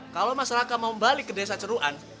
kalau mas raka mau balik ke desa ceruan